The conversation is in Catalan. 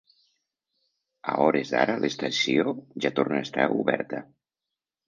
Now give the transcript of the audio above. A hores d’ara l’estació ja tornar a estar oberta.